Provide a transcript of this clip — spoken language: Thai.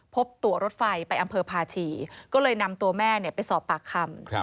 พบตัวรถไฟไปอำเภอภาชีก็เลยนำตัวแม่ไปสอบปากคำ